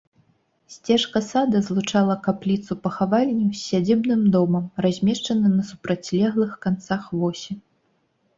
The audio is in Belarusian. Сцежка сада злучала капліцу-пахавальню з сядзібным домам, размешчаны на супрацьлеглых канцах восі.